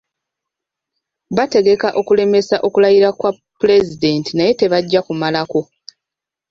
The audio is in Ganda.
Bategeka okulemesa okulayira kwa Pulezidenti naye tebajja kumalako.